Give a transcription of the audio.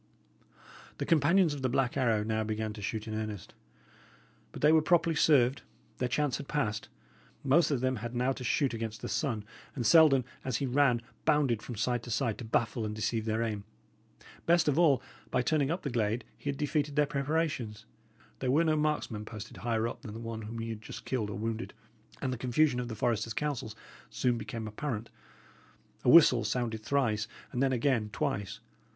The companions of the Black Arrow now began to shoot in earnest. But they were properly served; their chance had past; most of them had now to shoot against the sun; and Selden, as he ran, bounded from side to side to baffle and deceive their aim. Best of all, by turning up the glade he had defeated their preparations; there were no marksmen posted higher up than the one whom he had just killed or wounded; and the confusion of the foresters' counsels soon became apparent. A whistle sounded thrice, and then again twice.